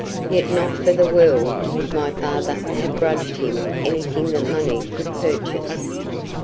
Yet not for the world would my father have grudged him anything that money could purchase.